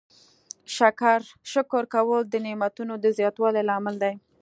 شکر کول د نعمتونو د زیاتوالي لامل دی.